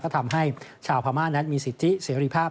ทำให้ชาวพม่านั้นมีสิทธิเสรีภาพ